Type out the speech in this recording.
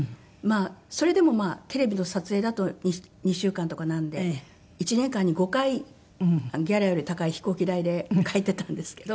それでもまあテレビの撮影だと２週間とかなんで１年間に５回ギャラより高い飛行機代で帰っていたんですけど。